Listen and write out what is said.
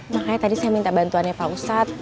makanya tadi saya minta bantuannya pak ustadz